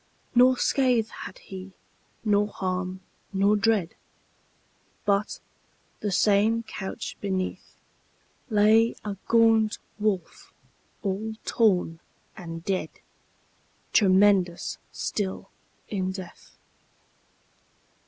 Nor scath had he, nor harm, nor dread, But, the same couch beneath, Lay a gaunt wolf, all torn and dead, Tremendous still in death.